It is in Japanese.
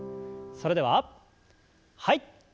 それでははい。